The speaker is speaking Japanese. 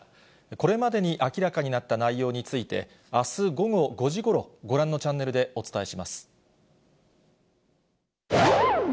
これまでに明らかになった内容について、あす午後５時ごろ、ご覧のチャンネルでお伝えします。